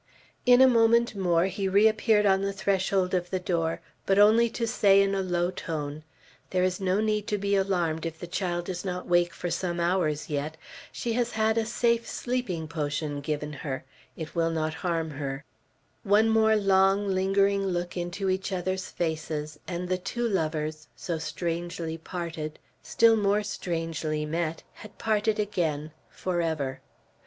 In a moment more he reappeared on the threshold of the door, but only to say in a low tone, "There is no need to be alarmed if the child does not wake for some hours yet. She has had a safe sleeping potion given her. It will not harm her." One more long lingering look into each other's faces, and the two lovers, so strangely parted, still more strangely met, had parted again, forever.